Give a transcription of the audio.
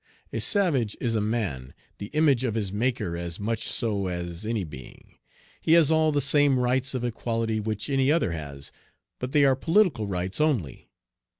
A savage is a man, the image of his Maker as much so as any being. He has all the same rights of equality which any other has, but they are political rights only.